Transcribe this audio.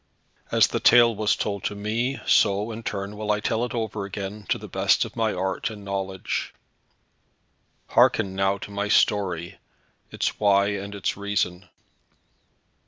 As the tale was told to me, so, in turn, will I tell it over again, to the best of my art and knowledge. Hearken now to my story, its why and its reason.